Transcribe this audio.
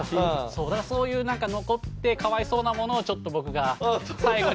そういうなんか残ってかわいそうなものをちょっと僕が最後に。